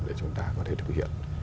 để chúng ta có thể thực hiện